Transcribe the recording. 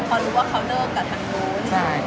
พอรู้ว่าเขาเลิกกับทางนู้น